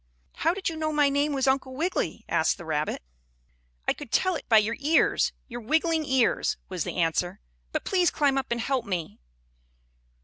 "How did you know my name was Uncle Wiggily?" asked the rabbit. "I could tell it by your ears your wiggling ears," was the answer. "But please climb up and help me."